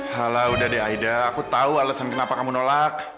halo udah deh aida aku tahu alasan kenapa kamu nolak